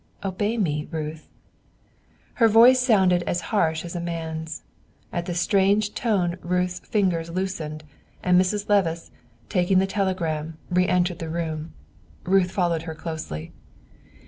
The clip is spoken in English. Obey me, Ruth." Her voice sounded harsh as a man's. At the strange tone Ruth's fingers loosened, and Mrs. Levice, taking the telegram, re entered the room; Ruth followed her closely.